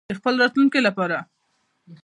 د خپل راتلونکي لپاره.